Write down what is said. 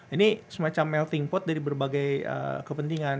ini semacam melting pot dari berbagai kepentingan